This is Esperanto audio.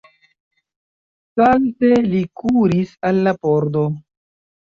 Salte li kuris al la pordo.